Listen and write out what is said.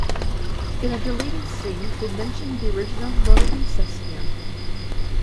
In a deleted scene, they mention the original "'Mona Lisa" scam'.